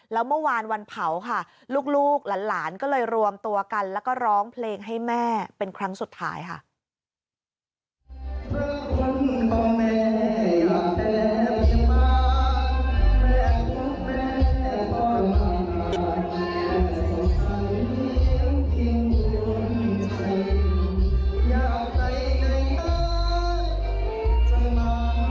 แล้วเมื่อวานวันเผาค่ะลูกหลานก็เลยรวมตัวกันแล้วก็ร้องเพลงให้แม่เป็นครั้งสุดท้ายค่ะ